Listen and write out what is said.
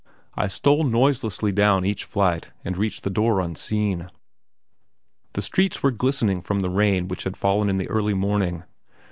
I stole noiselessly down each flight and reached the door unseen. The streets were glistening from the rain which had fallen in the early morning.